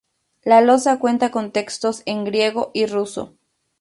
La losa cuenta con textos en griego y ruso.